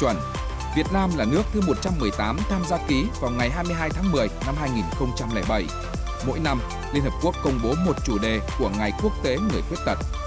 hai mươi hai tháng một mươi năm hai nghìn bảy mỗi năm liên hợp quốc công bố một chủ đề của ngày quốc tế người khuyết tật